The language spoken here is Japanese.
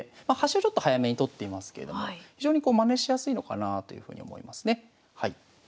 まあ端をちょっと早めに取っていますけれども非常にまねしやすいのかなというふうに思いますね。